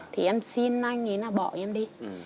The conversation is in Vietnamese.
thì em xin anh ấy bỏ em đi